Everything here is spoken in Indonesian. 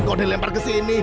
kau dilempar ke sini